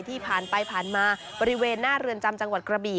ที่ผ่านไปผ่านมาบริเวณหน้าเรือนจำจังหวัดกระบี่